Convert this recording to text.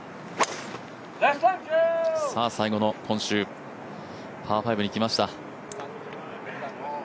最後のパー５にきました。